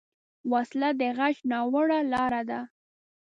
وسله د غچ ناوړه لاره ده